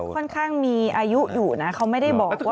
ค่อนข้างมีอายุอยู่นะเขาไม่ได้บอกว่า